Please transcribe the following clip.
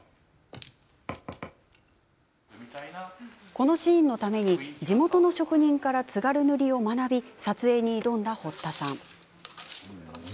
このシーンのために地元の職人から津軽塗を学び撮影に挑んだ堀田さん。